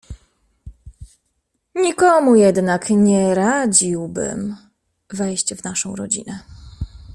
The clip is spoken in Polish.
"Nikomu jednak nie radziłbym wejść w naszą rodzinę."